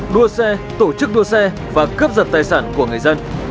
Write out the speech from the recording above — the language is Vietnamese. đua xe tổ chức đua xe và cướp giật tài sản của người dân